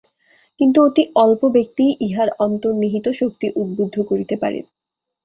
কিন্তু অতি অল্প ব্যক্তিই ইহার অন্তর্নিহিত শক্তি উদ্ধুদ্ধ করিতে পারেন।